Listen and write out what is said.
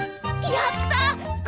やったぜ！